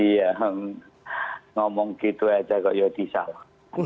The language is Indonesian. iya ngomong gitu aja kok ya disalah